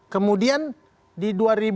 kemudian di dua ribu sembilan